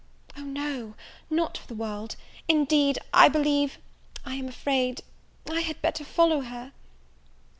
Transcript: "O no! not for the world! indeed, I believe, I am afraid I had better follow her."